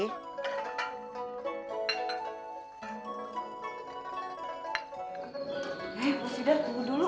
eh rosida tunggu dulu